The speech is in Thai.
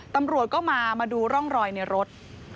ตำรวจก็มามาดูร่องรอยในรถ